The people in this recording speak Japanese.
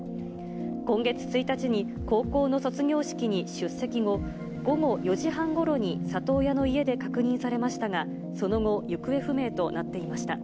今月１日に、高校の卒業式に出席後、午後４時半ごろに里親の家で確認されましたが、その後、行方不明となっていました。